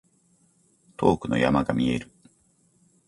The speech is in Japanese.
遠くの山が見える。